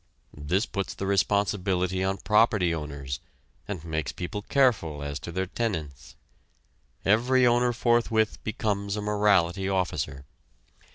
This puts the responsibility on property owners, and makes people careful as to their tenants. Every owner forthwith becomes a morality officer.